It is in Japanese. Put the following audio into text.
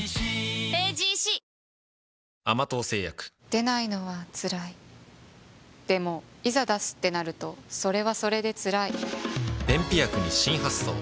出ないのは辛いでもいざ出すってなるとそれはそれで辛い便秘薬に新発想